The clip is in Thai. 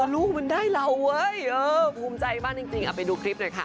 ลูกมันได้เราเว้ยภูมิใจมากจริงเอาไปดูคลิปหน่อยค่ะ